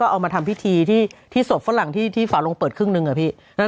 ก็เอามาทำพิธีที่ที่ศพฝรั่งที่ฝาลงเปิดครึ่งนึงอ่ะพี่แล้ว